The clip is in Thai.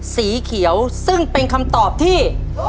สีเขียวซึ่งเป็นคำตอบที่